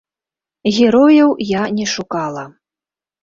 Герояў я не шукала.